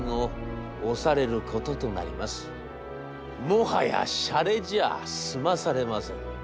もはやシャレじゃあ済まされません。